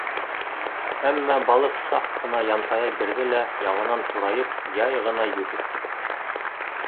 Әммә балыҡ саҡ ҡына янтая бирҙе лә, яңынан турайып, яй ғына йөҙөп китте.